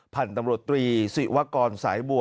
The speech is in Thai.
ผ่านตำรวจตรีสิวะกรสายบัว